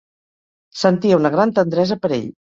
Sentia una gran tendresa per ell.